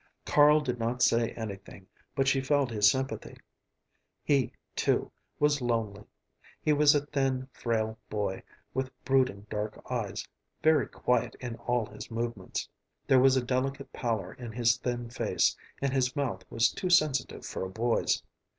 Carl did not say anything, but she felt his sympathy. He, too, was lonely. He was a thin, frail boy, with brooding dark eyes, very quiet in all his movements. There was a delicate pallor in his thin face, and his mouth was too sensitive for a boy's.